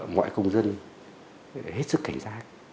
mọi công dân hết sức cảnh giác